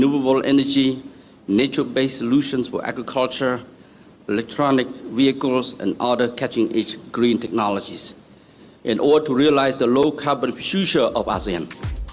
untuk itu perlu diperhatikan